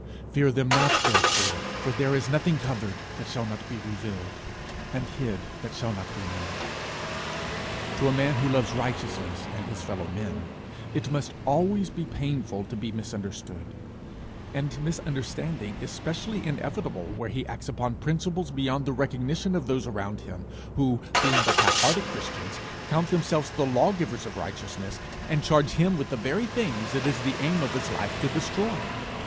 Fear them not therefore: for there is nothing covered, that shall not be revealed; and hid, that shall not be known.' To a man who loves righteousness and his fellow men, it must always be painful to be misunderstood; and misunderstanding is specially inevitable where he acts upon principles beyond the recognition of those around him, who, being but half hearted Christians, count themselves the law givers of righteousness, and charge him with the very things it is the aim of his life to destroy.